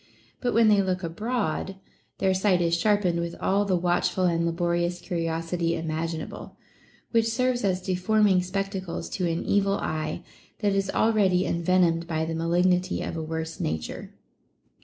But when they look abroad, their sight is sharpened with all the watchful and laborious curiosity imaginable, which serves as deforming spectacles to an evil eye, that is already envenomed by the malignity of a worse nature.